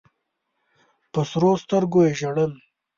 په سرو سترګو یې ژړل.